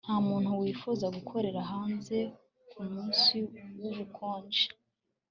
Ntamuntu wifuza gukorera hanze kumunsi wubukonje